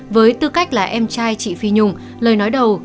với tư cách là em trai chị phi nhung lời nói đầu